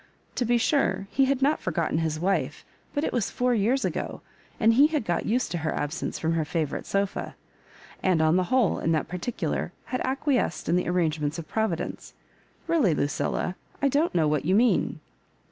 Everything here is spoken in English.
To be sure, he had not forgotten his wife ; but it was four years ago, and he had got used to her absence from her favourite sofa ; and, on the whole, in that particular, had acquiesced in the arrangements of Providence. " Really, Lucilla, I don't know what you mean."